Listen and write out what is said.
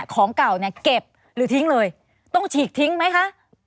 ของเก่าเนี่ยเก็บหรือทิ้งเลยต้องฉีกทิ้งไหมคะ